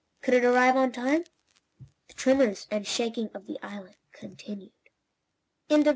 Could it arrive on time? The tremors and shaking of the island continued.